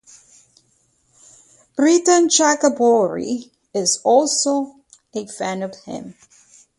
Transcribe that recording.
Pritam Chakraborty is also a fan of him.